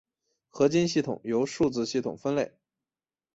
合金系统由数字系统分类。